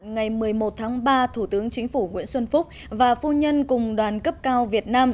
ngày một mươi một tháng ba thủ tướng chính phủ nguyễn xuân phúc và phu nhân cùng đoàn cấp cao việt nam